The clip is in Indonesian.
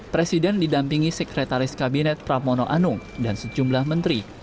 presiden didampingi sekretaris kabinet pramono anung dan sejumlah menteri